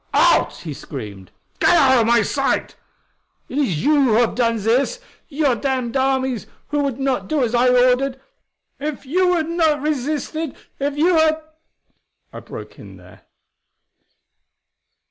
"Out!" he screamed. "Get out of my sight! It is you who have done this your damned armies who would not do as I ordered! If you had not resisted, if you had " I broke in there.